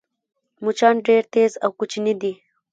مچان ډېر تېز او کوچني دي